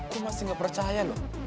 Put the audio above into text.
aku masih gak percaya loh